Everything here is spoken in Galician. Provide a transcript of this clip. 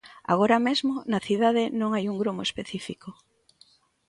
Agora mesmo, na cidade non hai un gromo específico.